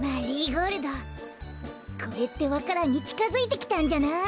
これってわか蘭にちかづいてきたんじゃない！？